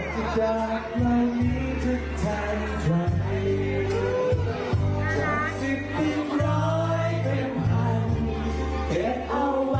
อ้ำอ้ำอ้ำ